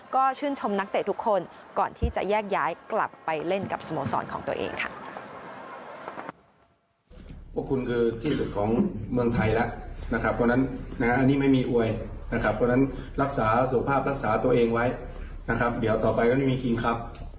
ก็ชื่นชมนักเตะทุกคนก่อนที่จะแยกย้ายกลับไปเล่นกับสโมสรของตัวเองค่ะ